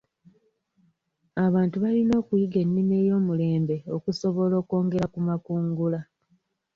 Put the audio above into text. Abantu balina okuyiga ennima ey'omulembe okusobola okwongera ku makungula.